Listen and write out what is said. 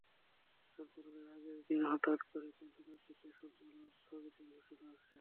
সম্মেলনের আগের দিন হঠাৎ করে কেন্দ্র থেকে সম্মেলন স্থগিতের ঘোষণা আসে।